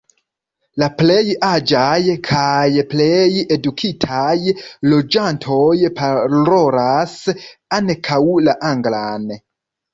La plej aĝaj kaj plej edukitaj loĝantoj parolas ankaŭ la anglan.